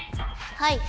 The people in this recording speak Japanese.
はい。